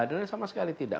dan sama sekali tidak